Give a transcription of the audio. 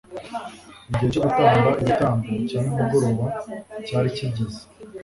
Igihe cyo gutamba igitambo cya nimugoroba cyari kigeze